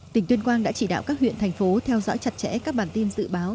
tỉnh tuyên quang đã chỉ đạo các huyện thành phố theo dõi chặt chẽ các bản tin dự báo